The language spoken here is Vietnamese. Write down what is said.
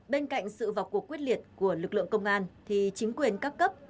bên cạnh sự vọc cuộc quyết liệt của lực lượng công an chính quyền các cấp